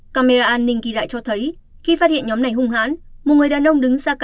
camera an ninh ghi lại cho thấy khi phát hiện nhóm này hung hãn một người đàn ông đứng ra